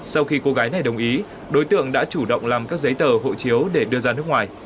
sau khi cô gái này đồng ý đối tượng đã chủ động làm các giấy tờ hộ chiếu để đưa ra nước ngoài